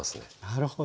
なるほど。